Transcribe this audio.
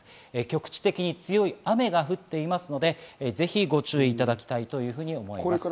局地的に強い雨が降っていますので、ぜひご注意いただきたいと思います。